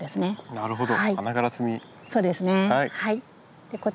なるほど。